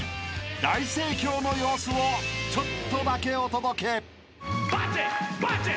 ［大盛況の様子をちょっとだけお届け！］